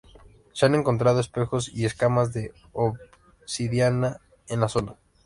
Se han encontrado espejos y escamas de obsidiana en la zona.